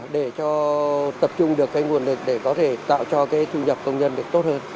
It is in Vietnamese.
để tập trung được nguồn lực để có thể tạo cho thu nhập công nhân tốt hơn